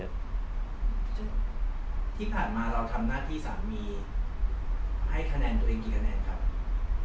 ที่ผ่านมาเราทำหน้าที่สามีให้คะแนนตัวเองกี่คะแนนครับ